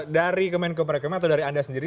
dari kemen kepada kemen atau dari anda sendiri